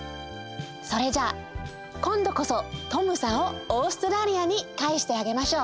それじゃあこんどこそＴｏｍさんをオーストラリアに帰してあげましょう。